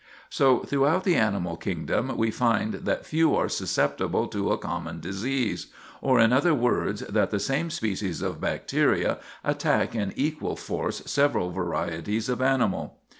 So throughout the animal kingdom we find that few are susceptible to a common disease; or, in other words, that the same species of bacteria attack in equal force several varieties of animals.